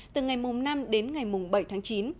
từ ngày năm đến ngày bảy tháng chín